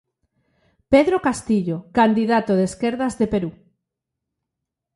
Pedro Castillo, candidato de esquerdas de Perú.